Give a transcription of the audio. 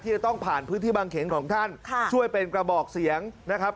จะต้องผ่านพื้นที่บางเขนของท่านช่วยเป็นกระบอกเสียงนะครับ